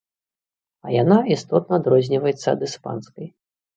А яна істотна адрозніваецца ад іспанскай.